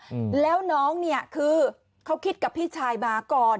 อืมแล้วน้องเนี้ยคือเขาคิดกับพี่ชายมาก่อน